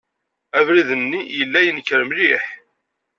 Abrid-nni yella yenker mliḥ.